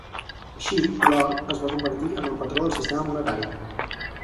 Així, l'or es va convertir en el patró del sistema monetari.